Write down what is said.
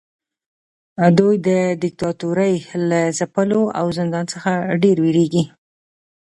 دوی د دیکتاتورۍ له ځپلو او زندان څخه ډیر ویریږي.